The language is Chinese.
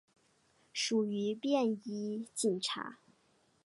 属于便衣警察。